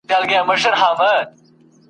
پټ به د رقیب له بدو سترګو سو تنها به سو !.